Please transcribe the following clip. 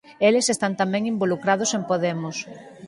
Eles están tamén involucrados en Podemos.